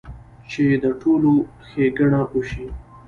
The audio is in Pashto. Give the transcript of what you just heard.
چې د ټولو ښېګړه اوشي -